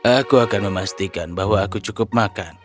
aku akan memastikan bahwa aku cukup makan